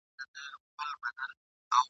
له ځالیو به راپورته داسي شخول سو !.